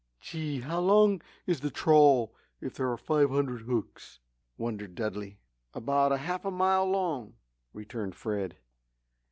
"Gee! How long is the trawl if there are five hundred hooks?" wondered Dudley. "About half a mile long," returned Fred.